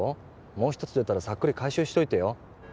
もう一つ出たらさっくり回収しといてよ